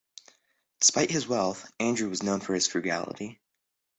Despite his wealth, Andrew was known for his frugality.